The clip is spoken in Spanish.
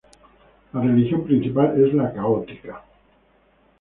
La religión principal es la católica.